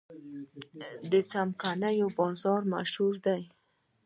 د څمکنیو بازار مشهور دی